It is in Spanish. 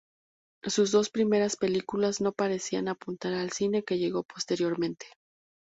Sus dos primeras películas no parecían apuntar al cine que llegó posteriormente.